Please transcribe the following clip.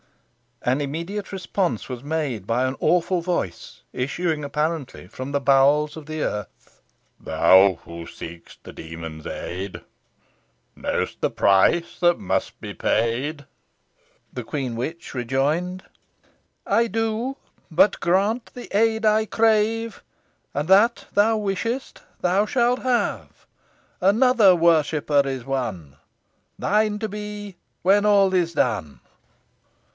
An immediate response was made by an awful voice issuing apparently from the bowels of the earth. "Thou who seek'st the Demon's aid, Know'st the price that must be paid." The queen witch rejoined "I do. But grant the aid I crave, And that thou wishest thou shalt have. Another worshipper is won, Thine to be, when all is done."